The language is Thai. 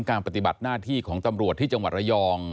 ปฏิบัติหน้าที่ของตำรวจที่จังหวัดระยอง